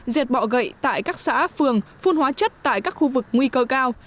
diệt bọ gậy tại các xã phường phun hóa chất tại các khu vực nguy cơ cao